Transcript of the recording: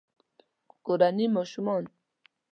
کورني ماشومان